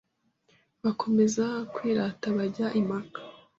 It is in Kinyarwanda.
bakomeza kwirata bajya impaka,